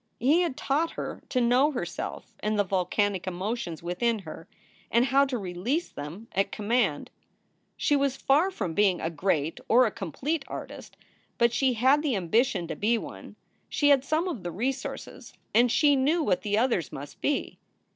He had taught her to know herself and the volcanic emotions within her, and how to release them at command. 288 SOULS FOR SALE She was far from being a great or a complete artist, but she had the ambition to be one; she had some of the resources, and she knew what the others must be.